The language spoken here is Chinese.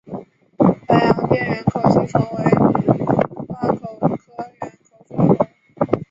白洋淀缘口吸虫为棘口科缘口属的动物。